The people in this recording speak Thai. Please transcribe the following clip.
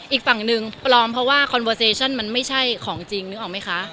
อีกฝั่งหนึ่งปลอมเพราะว่าคอนเวอร์เซชั่นมันไม่ใช่ของจริงนึกออกไหมคะ